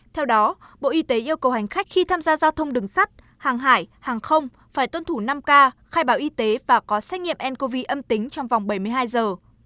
theo đó bộ y tế yêu cầu hành khách khi tham gia giao thông đường sắt hàng hải hàng không phải tuân thủ năm k khai báo y tế và có xét nghiệm ncov âm tính trong vòng bảy mươi hai giờ